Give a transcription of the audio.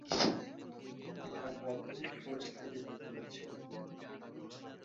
একটা অদ্ভুত পরিস্থিতিতে পড়েছি।